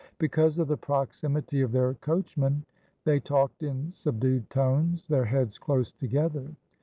Because of the proximity of their coachman, they talked in subdued tones, their heads close together.